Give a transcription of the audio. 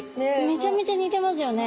めちゃめちゃ似てますよね。